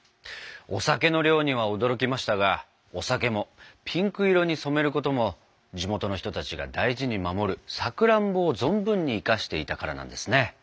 お酒の量には驚きましたがお酒もピンク色に染めることも地元の人たちが大事に守るさくらんぼを存分に生かしていたからなんですね。